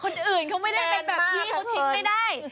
คนอื่นเขาไม่ได้เป็นแบบนี้เขาทิ้งไม่ได้